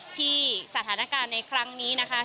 ที่สถานการณ์ในครั้งนี้นะคะ